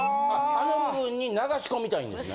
あの部分に流し込みたいんですね。